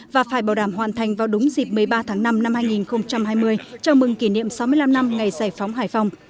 và phải bảo đảm hoàn thành vào đúng dịp một mươi ba tháng năm năm hai nghìn hai mươi chào mừng kỷ niệm sáu mươi năm năm ngày giải phóng hải phòng